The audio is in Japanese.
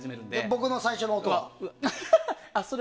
僕の最初の音は？